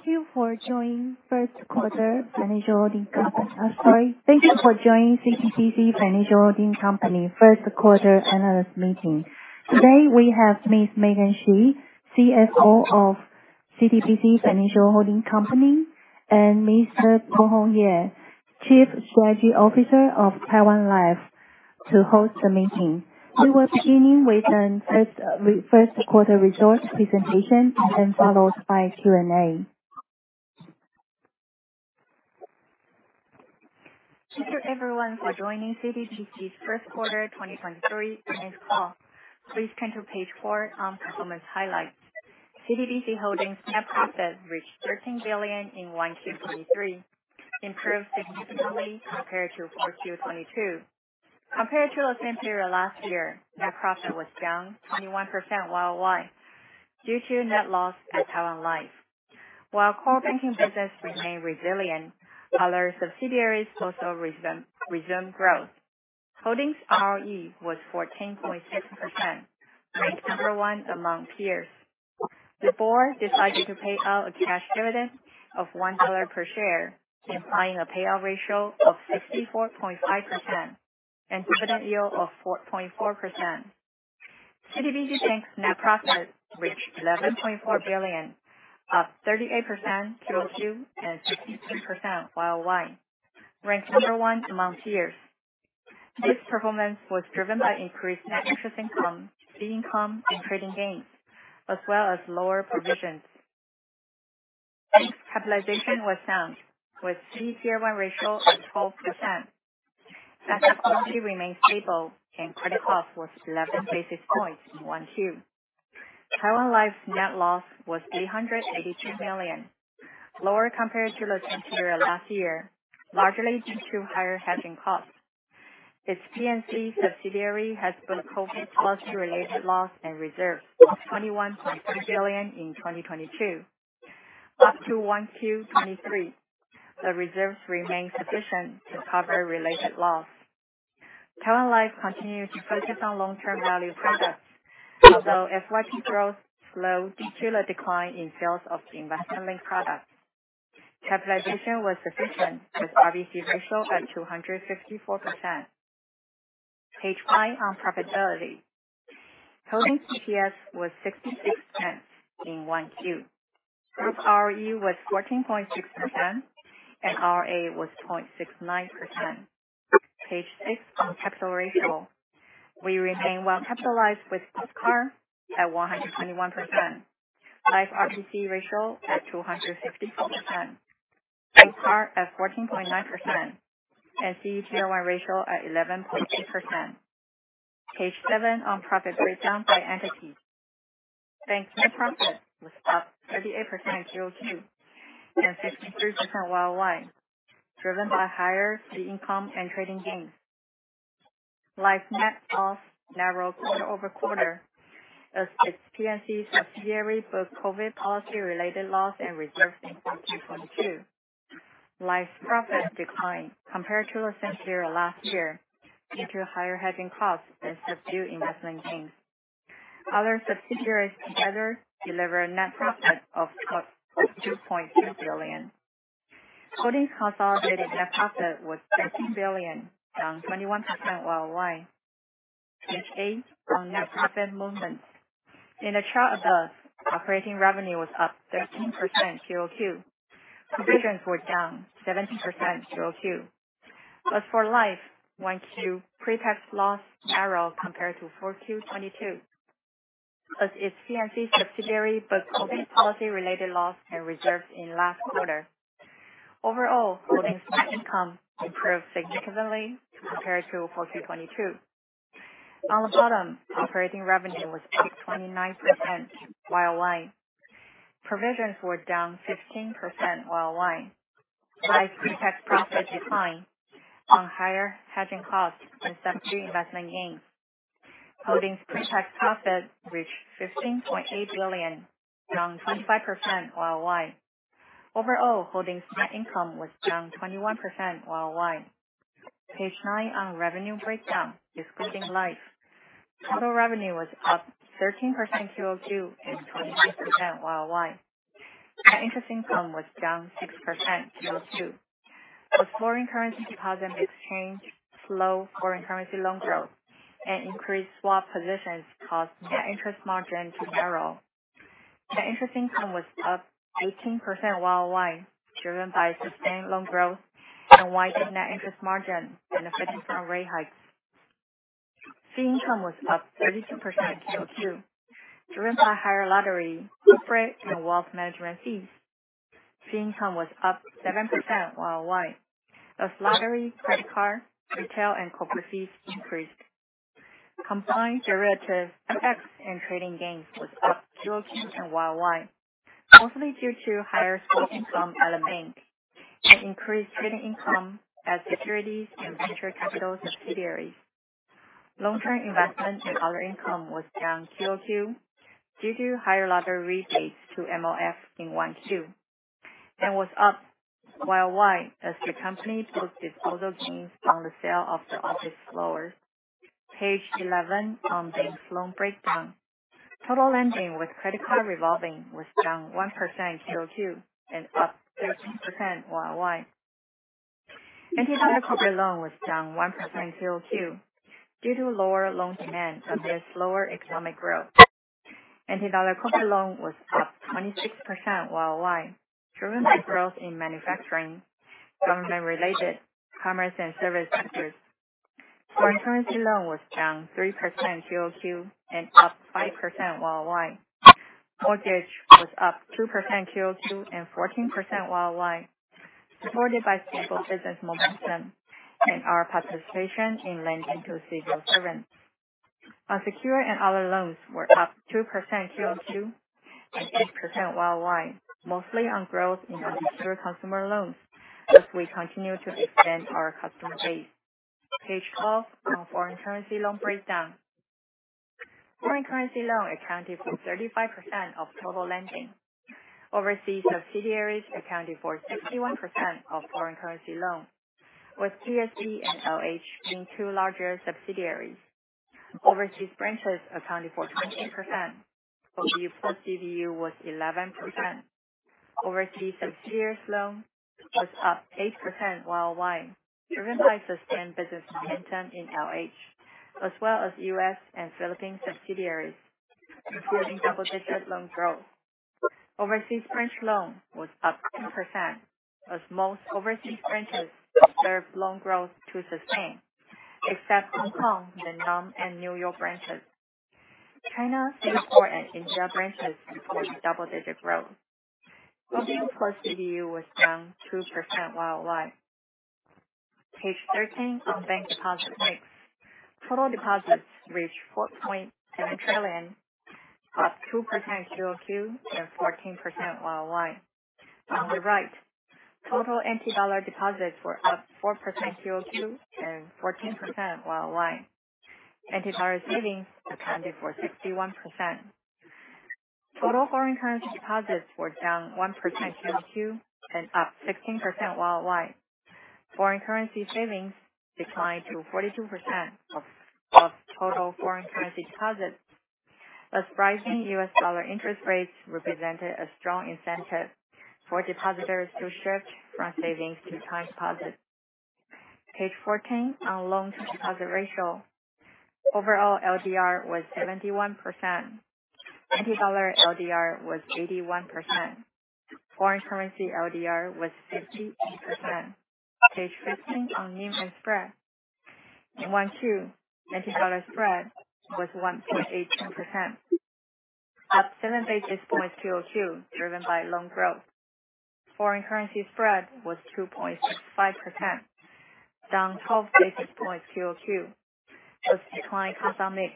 Thank you for joining CTBC Financial Holding Company first quarter analyst meeting. Today, we have Ms. Megan Shih, CFO of CTBC Financial Holding Company, and Mr. Pai-Hung Yeh, Chief Strategy Officer of Taiwan Life, to host the meeting. We will begin with the first quarter results presentation, then followed by Q&A. Thank you everyone for joining CTBC Financial Holding's first quarter 2023 earnings call. Please turn to page four on performance highlights. CTBC Financial Holding's net profit reached 13 billion in 1Q23, improved significantly compared to 4Q22. Compared to the same period last year, net profit was down 21% year-over-year due to net loss at Taiwan Life. While core banking business remained resilient, other subsidiaries also resumed growth. CTBC Financial Holding's ROE was 14.6%, ranked number one among peers. The board decided to pay out a cash dividend of 1 dollar per share, implying a payout ratio of 64.5% and dividend yield of 4.4%. CTBC Bank net profit reached 11.4 billion, up 38% quarter-over-quarter and 15% year-over-year, ranked number one among peers. This performance was driven by increased net interest income, fee income, and trading gains, as well as lower provisions. Capitalization was sound, with CET1 ratio at 12%. Asset quality remained stable and credit cost was 11 basis points in 1Q. Taiwan Life's net loss was 882 million, lower compared to the same period last year, largely due to higher hedging costs. Its P&C subsidiary has been COVID policy-related loss and reserves of 21.3 billion in 2022. Up to 1Q23, the reserves remain sufficient to cover related loss. Taiwan Life continues to focus on long-term value products. Although FYP growth slowed due to the decline in sales of investment-linked products. Capitalization was sufficient, with RBC ratio at 254%. Page five, on profitability. CTBC Financial Holding's EPS was 0.66 in 1Q. Group ROE was 14.6%, and ROA was 0.69%. Page six, on capital ratio. We remain well-capitalized with CAR at 121%, Life RBC ratio at 264%, Bank CAR at 14.9%, and CET1 ratio at 11.8%. Page seven on profit breakdown by entity. Bank net profit was up 38% quarter-over-quarter and 53% year-over-year, driven by higher fee income and trading gains. Life net loss narrowed quarter-over-quarter as its P&C subsidiary booked COVID policy-related loss and reserves in 2022. Life's profits declined compared to the same period last year due to higher hedging costs and subdued investment gains. Other subsidiaries together delivered a net profit of 2.2 billion. CTBC Financial Holding's consolidated net profit was 13 billion, down 21% year-over-year. Page eight, on net profit movements. In the chart above, operating revenue was up 13% quarter-over-quarter. Provisions were down 17% quarter-over-quarter. As for Life, 1Q, pre-tax loss narrowed compared to 4Q22 as its P&C subsidiary booked COVID policy-related loss and reserves in last quarter. Overall, CTBC Financial Holding's net income improved significantly compared to 4Q22. On the bottom, operating revenue was up 29% year-over-year. Provisions were down 15% year-over-year. Life pre-tax profit declined on higher hedging costs and subdued investment gains. CTBC Financial Holding's pre-tax profit reached 15.8 billion, down 25% year-over-year. Overall, CTBC Financial Holding's net income was down 21% year-over-year. Page nine on revenue breakdown, excluding Life. Total revenue was up 13% quarter-over-quarter and 29% year-over-year. Net interest income was down 6% quarter-over-quarter. As foreign currency deposit mix changed, slow foreign currency loan growth, and increased swap positions caused net interest margin to narrow. Net interest income was up 18% year-over-year, driven by sustained loan growth and widened net interest margin benefiting from rate hikes. Fee income was up 32% QOQ, driven by higher lottery, corporate and wealth management fees. Fee income was up 7% YOY as lottery, credit card, retail, and corporate fees increased. Combined derivative, FX, and trading gains was up QOQ and YOY, mostly due to higher swap income at the bank and increased trading income at securities and venture capital subsidiaries. Long-term investment and other income was down QOQ due to higher lottery rebates to Ministry of Finance in one Q and was up YOY as the company booked disposal gains on the sale of the office floors. Page 11 on bank's loan breakdown. Total lending with credit card revolving was down 1% QOQ and up 13% YOY. NT dollar corporate loan was down 1% QOQ due to lower loan demand amidst lower economic growth. NT dollar corporate loan was up 26% YOY, driven by growth in manufacturing, construction-related, commerce, and service sectors. Foreign currency loan was down 3% QOQ and up 5% YOY. Mortgage was up 2% QOQ and 14% YOY, supported by stable business momentum and our participation in lending to civil servants. Unsecured and other loans were up 2% QOQ and 6% YOY, mostly on growth in unsecured consumer loans as we continue to expand our customer base. Page 12 on foreign currency loan breakdown. Foreign currency loan accounted for 35% of total lending. Overseas subsidiaries accounted for 61% of foreign currency loans, with TSD and LH being two larger subsidiaries. Overseas branches accounted for 20%, while the OBU was 11%. Overseas subsidiaries' loans was up 8% YOY, driven by sustained business momentum in LH, as well as U.S. and Philippine subsidiaries, including double-digit loan growth. Overseas branch loans was up 10% as most overseas branches observed loan growth to sustain, except Hong Kong, Vietnam, and New York branches. China, Singapore, and India branches reported double-digit growth. The OBU was down 2% YOY. Page 13 on bank deposit mix. Total deposits reached 4.7 trillion, up 2% QOQ and 14% YOY. On the right, total NT dollar deposits were up 4% QOQ and 14% YOY. NT dollar savings accounted for 61%. Total foreign currency deposits were down 1% QOQ and up 16% YOY. Foreign currency savings declined to 42% of total foreign currency deposits as rising US dollar interest rates represented a strong incentive for depositors to shift from savings to time deposits. Page 14 on loan deposit ratio. Overall, LDR was 71%. NT dollar LDR was 81%. Foreign currency LDR was 58%. Page 15 on NIM and spread. In Q2, NT dollar spread was 1.82%, up seven basis points QOQ, driven by loan growth. Foreign currency spread was 2.65%, down 12 basis points QOQ as decline custom mix,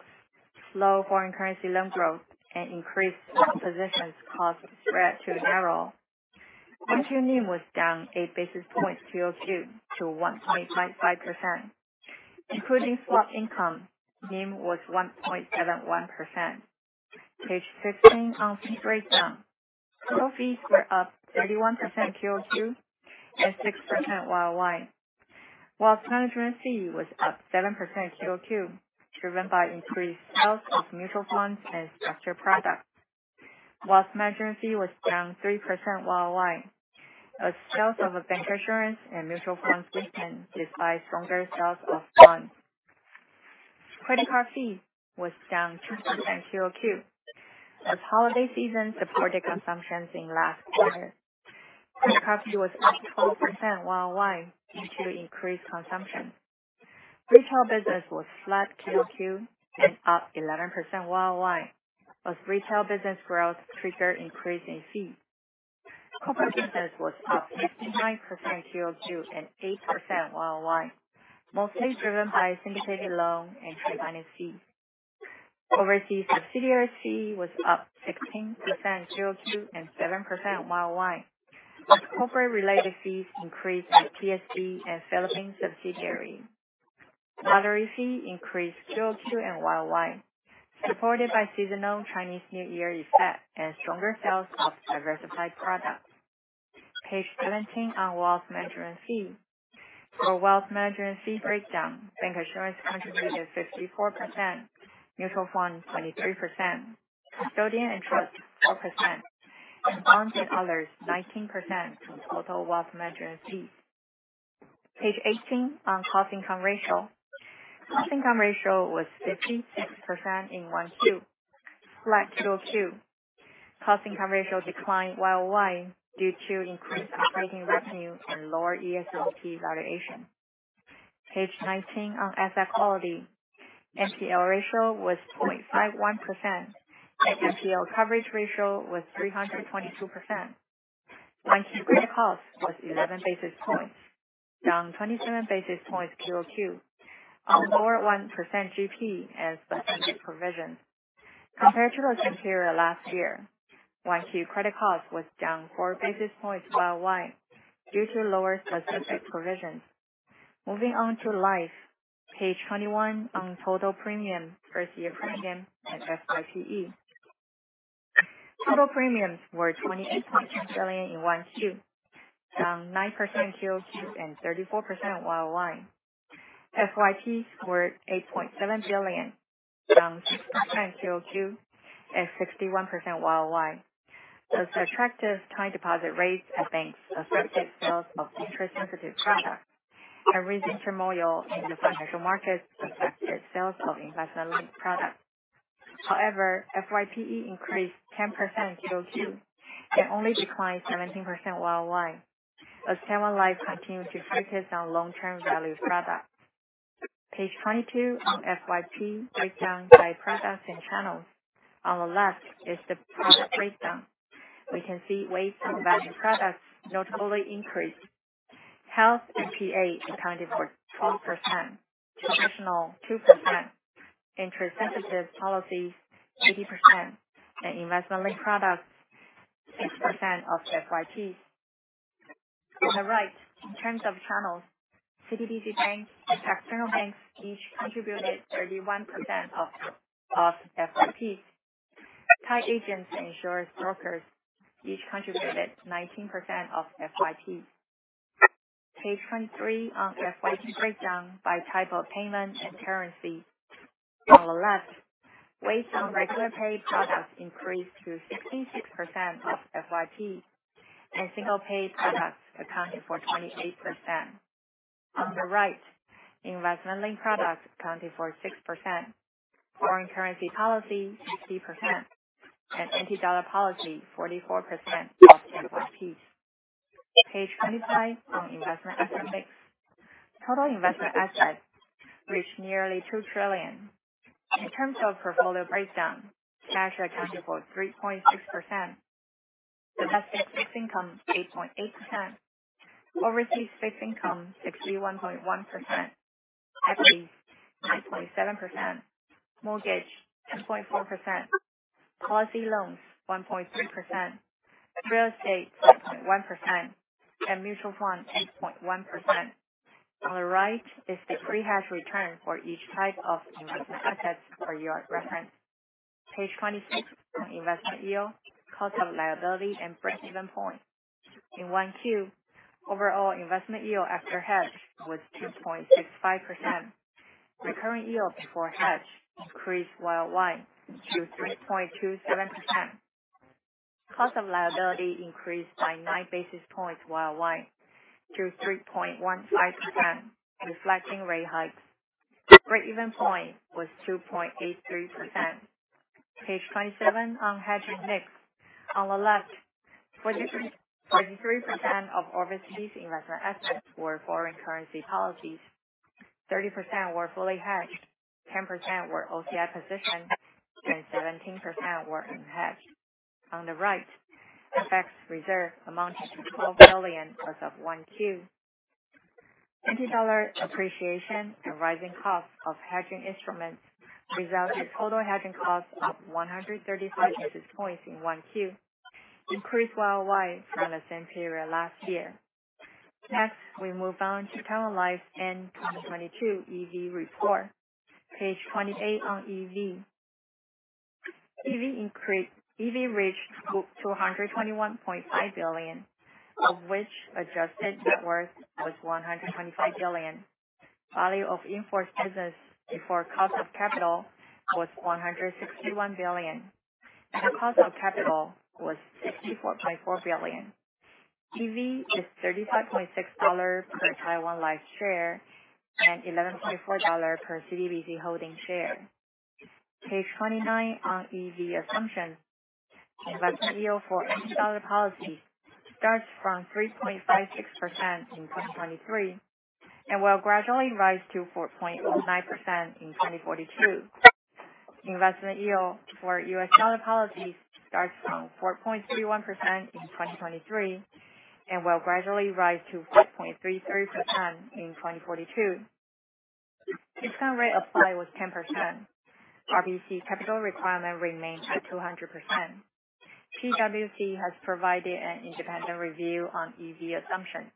slow foreign currency loan growth, and increased loan positions caused spread to narrow. Q2 NIM was down eight basis points QOQ to 1.55%. Including swap income, NIM was 1.71%. Page 16 on fee breakdown. Total fees were up 31% QOQ and 6% YOY. Wealth management fee was up 7% QOQ, driven by increased sales of mutual funds and structured products. Wealth management fee was down 3% YOY as sales of bancassurance and mutual funds weakened despite stronger sales of bonds. Credit card fee was down 2% QOQ as holiday season supported consumptions in last quarter. Credit card fee was up 12% YOY due to increased consumption. Retail business was flat QOQ and up 11% YOY as retail business growth triggered increase in fee. Corporate business was up 59% QOQ and 8% YOY, mostly driven by syndicated loan and trade finance fees. Overseas subsidiary fee was up 16% QOQ and 7% YOY as corporate-related fees increased at PSD and Philippine subsidiary. Other fee increased QOQ and YOY, supported by seasonal Chinese New Year effect and stronger sales of diversified products. Page 17 on wealth management fee. For wealth management fee breakdown, bancassurance contributed 54%, mutual funds 23%, custodian and trust 4%, and bonds and others 19% to total wealth management fees. Page 18 on cost income ratio. Cost income ratio was 56% in Q2, flat QOQ. Cost income ratio declined YOY due to increased underwriting revenue and lower ESOP valuation. Page 19 on asset quality. NPL ratio was 0.51%, and NPL coverage ratio was 322%. Q2 credit cost was 11 basis points, down 27 basis points QOQ on lower 1% GP as the credit provision. Compared to the same period last year, Q2 credit cost was down four basis points YOY due to lower specific provisions. Moving on to life, page 21 on total premium, first-year premium, and FYPE. Total premiums were 28.2 billion in 1Q, down 9% QOQ and 34% YOY. FYP were TWD 8.7 billion, down 6% QOQ and 61% YOY. Those attractive time deposit rates at banks affected sales of interest-sensitive products. A recent turmoil in the financial markets affected sales of investment-linked products. However, FYPE increased 10% QOQ and only declined 17% YOY, as Taiwan Life continues to focus on long-term value products. Page 22 on FYP breakdown by products and channels. On the left is the product breakdown. We can see weight on value products notably increased. Health and PA accounted for 12%, traditional 2%, interest-sensitive policies 80%, and investment-linked products 6% of FYP. On the right, in terms of channels, CTBC Bank and external banks each contributed 31% of FYP. Tied agents, insurance brokers each contributed 19% of FYP. Page 23 on FYP breakdown by type of payment and currency. On the left, weight on regular paid products increased to 66% of FYP, and single-paid products accounted for 28%. On the right, investment-linked products accounted for 6%, foreign currency policy 50%, and NT dollar policy 44% of FYP. Page 25 on investment asset mix. Total investment assets reached nearly 2 trillion. In terms of portfolio breakdown, cash accounted for 3.6%, domestic fixed income 8.8%, overseas fixed income 61.1%, equity 9.7%, mortgage 10.4%, policy loans 1.3%, real estate 4.1%, and mutual funds 8.1%. On the right is the pre-hedge return for each type of investment asset for your reference. Page 26 on investment yield, cost of liability, and breakeven point. In 1Q, overall investment yield after hedge was 2.65%. Recurrent yield before hedge increased YOY to 3.27%. Cost of liability increased by nine basis points YOY to 3.15%, reflecting rate hikes. Breakeven point was 2.83%. Page 27 on hedging mix. On the left, 43% of overseas investment assets were foreign currency policies, 30% were fully hedged, 10% were OCI positioned, and 17% were unhedged. On the right, FX reserve amounted to 12 billion as of 1Q. NT dollar appreciation and rising cost of hedging instruments resulted in total hedging costs of 137 basis points in 1Q, increased YOY from the same period last year. Next, we move on to Taiwan Life and 2022 EV report. Page 28 on EV. EV reached NTD 221.5 billion, of which adjusted net worth was NTD 125 billion. Value of in-force business before cost of capital was NTD 161 billion, and the cost of capital was NTD 64.4 billion. EV is NTD 35.6 per Taiwan Life share and NTD 11.4 per CTBC Financial Holding share. Page 29 on EV assumptions. Investment yield for NT dollar policies starts from 3.56% in 2023 and will gradually rise to 4.09% in 2042. Investment yield for US dollar policies starts from 4.31% in 2023 and will gradually rise to 4.33% in 2042. Discount rate applied was 10%. RBC capital requirement remained at 200%. PwC has provided an independent review on EV assumption.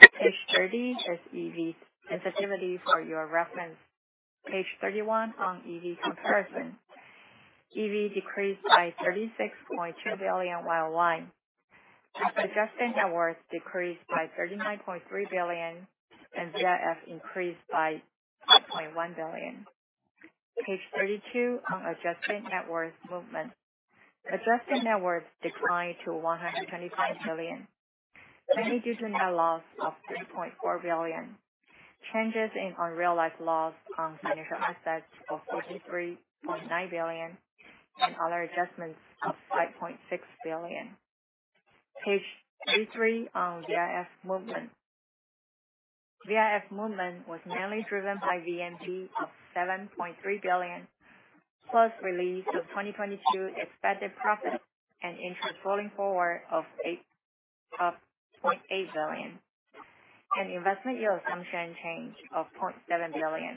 Page 30 is EV sensitivity for your reference. Page 31 on EV comparison. EV decreased by NTD 36.2 billion YOY. Adjusted net worth decreased by NTD 39.3 billion, and VIF increased by NTD 5.1 billion. Page 32 on adjusted net worth movement. Adjusted net worth declined to NTD 125 billion, mainly due to net loss of NTD 3.4 billion. Changes in unrealized loss on financial assets of NTD 43.9 billion and other adjustments of NTD 5.6 billion. Page 33 on VIF movement. VIF movement was mainly driven by VNP of NTD 7.3 billion, plus release of 2022 expected profit and interest rolling forward of NTD 0.8 billion, and investment yield assumption change of NTD 0.7 billion,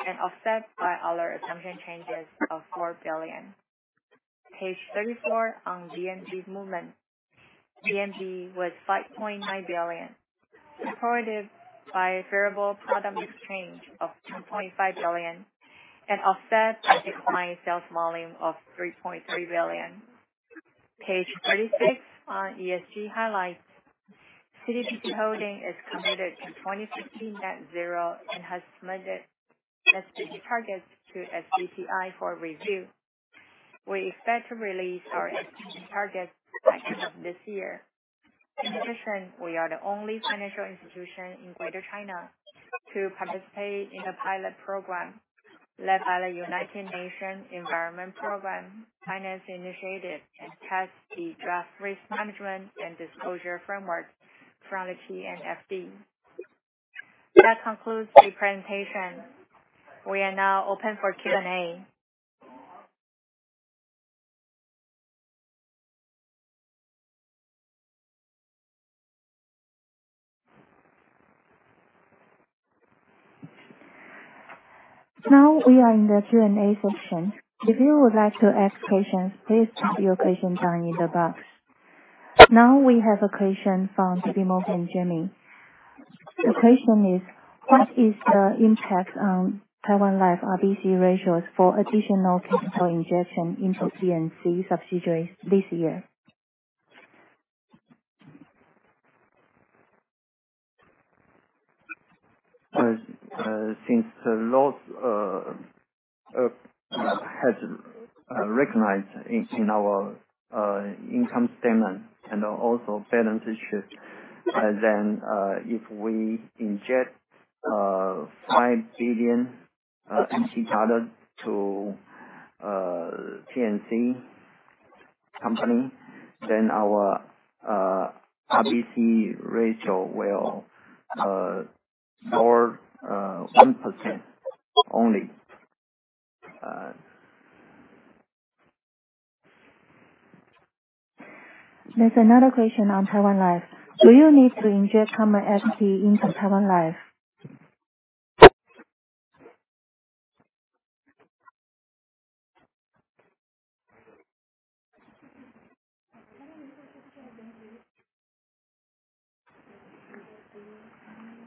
and offset by other assumption changes of NTD 4 billion. Page 34 on VNP movement. GNB was NTD 5.9 billion, supported by variable product exchange of NTD 2.5 billion and offset by declining sales volume of NTD 3.3 billion. Page 36 on ESG highlights. CTBC Financial Holding is committed to 2050 net zero and has submitted ESG targets to SBTi for review. We expect to release our ESG targets by end of this year. In addition, we are the only financial institution in Greater China to participate in a pilot program led by the United Nations Environment Programme, Finance Initiative, and test the draft risk management and disclosure framework from the TNFD. That concludes the presentation. We are now open for Q&A. We are in the Q&A section. If you would like to ask questions, please type your question down in the box. We have a question from Morgan Jamie. The question is, what is the impact on Taiwan Life RBC ratios for additional capital injection into TNC subsidiaries this year? Since the loss has recognized in our income statement and also balance sheet, if we inject NTD 5 billion to TNC company, our RBC ratio will drop 1% only. There's another question on Taiwan Life. Do you need to inject common equity into Taiwan Life?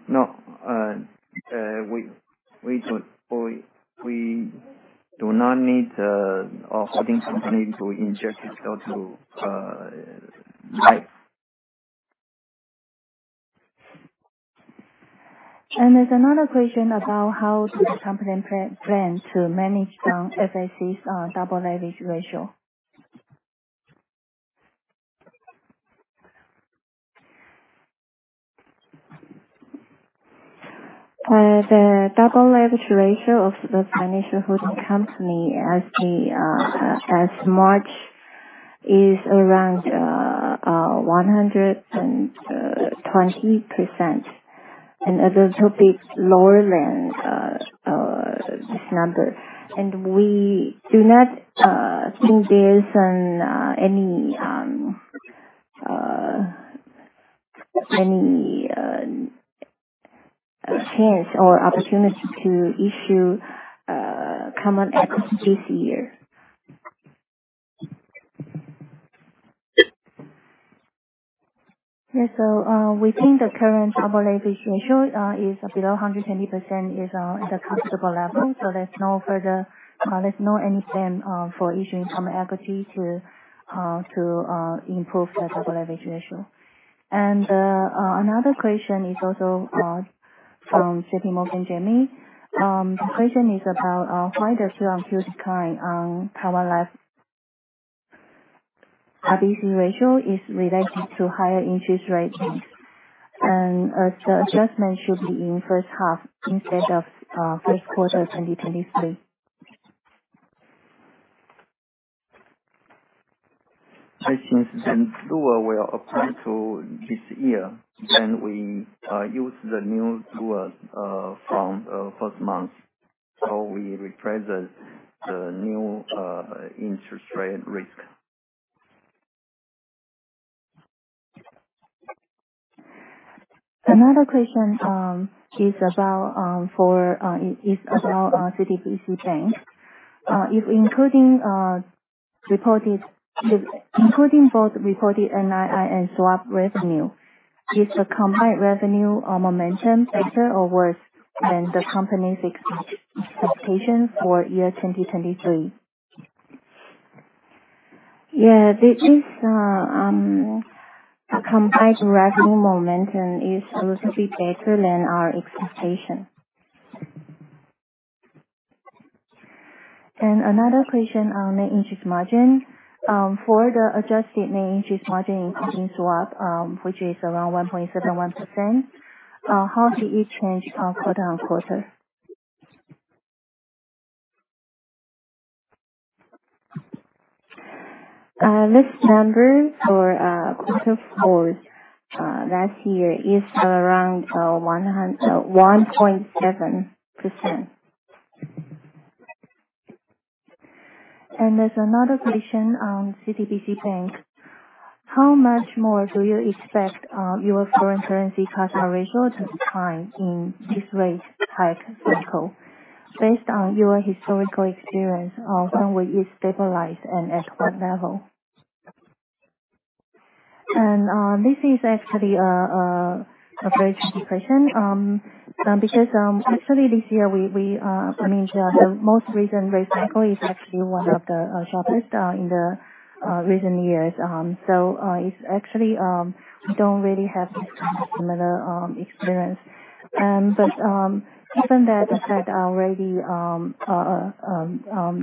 No. We do not need a holding company to inject itself to Life. There's another question about how the company plans to manage the FHC's double-digit ratio. The double leverage ratio of the financial holding company as March is around 120%, and it will be lower than this number. We do not think there's any chance or opportunity to issue common equity this year. We think the current double leverage ratio is below 120% is at a comfortable level, there's no anything for issuing common equity to improve the double leverage ratio. Another question is also from JPMorgan Jamie. The question is about why the sudden huge decline on Taiwan Life RBC ratio is related to higher interest rates, and the adjustment should be in first half instead of first quarter 2023. Since the tool will apply to this year, we use the new tool from first month, we represent the new interest rate risk. Another question is about CTBC Bank. If including both reported NII and swap revenue, is the combined revenue momentum better or worse than the company's expectations for year 2023? Yeah. Combined revenue momentum is a little bit better than our expectation. Another question on net interest margin. For the adjusted net interest margin, including swap, which is around 1.71%, how did it change quarter-on-quarter? This number for quarter four last year is around 1.7%. There's another question on CTBC Bank. How much more do you expect your foreign currency cost or resource to decline in this rate hike cycle? Based on your historical experience, when will it stabilize and at what level? This is actually a very good question, because actually this year, the most recent rate cycle is actually one of the sharpest in the recent years. It's actually, we don't really have similar experience. Given that the Fed already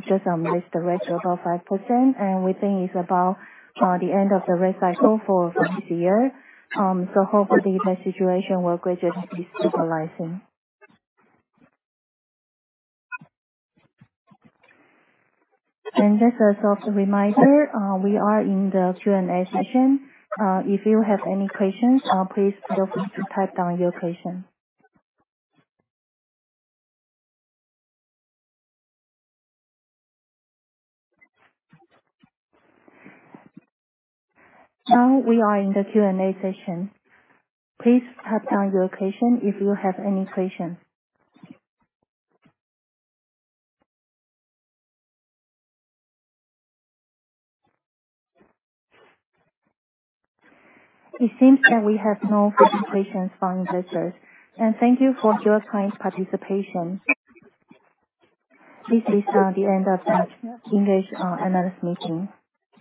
just raised the rate about 5%, and we think it's about the end of the rate cycle for this year. Hopefully that situation will gradually be stabilizing. Just a sort of reminder, we are in the Q&A session. If you have any questions, please feel free to type down your question. Now we are in the Q&A session. Please type down your question if you have any question. It seems that we have no further questions from investors. Thank you for your kind participation. This is the end of the English analyst meeting.